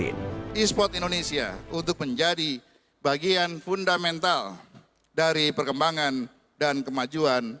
esports indonesia untuk menjadi bagian fundamental dari perkembangan dan kemajuan indonesia